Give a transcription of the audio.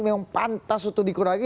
memang pantas untuk dikurangi